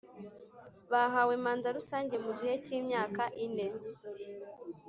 Bahawe manda Rusange mu gihe cy imyaka ine